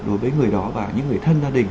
đối với người đó và những người thân gia đình